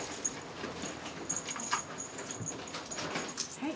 はい。